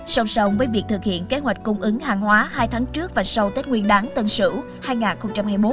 song song với việc thực hiện kế hoạch cung ứng hàng hóa hai tháng trước và sau tết nguyên đáng tân sửu hai nghìn hai mươi một